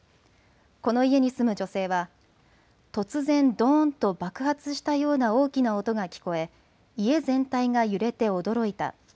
この家に住む女性は、突然、どーんと爆発したような大きな音が聞こえ、家全体が揺れて驚いた。